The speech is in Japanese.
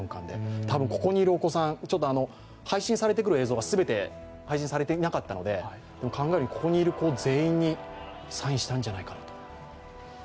多分ここにいるお子さん、配信されてくる映像が全て配信されていなかったので、考えるに、ここにいる全員にサインしたんじゃないかと。